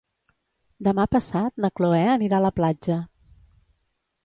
Demà passat na Cloè anirà a la platja.